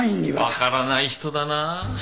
分からない人だなぁ。